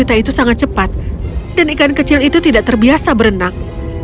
kita itu sangat cepat dan ikan kecil itu tidak terbiasa berenang